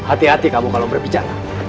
hati hati kamu kalau berbicara